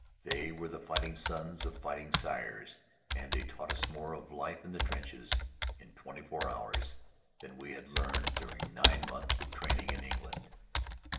They were the fighting sons of fighting sires, and they taught us more of life in the trenches, in twenty four hours, than we had learned during nine months of training in England.